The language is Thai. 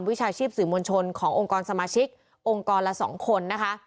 วิชาชีพสื่อมวลชนขององค์กรสมาชิกองค์กรละ๒คนนะคะ